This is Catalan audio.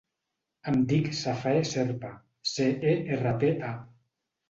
Em dic Safae Cerpa: ce, e, erra, pe, a.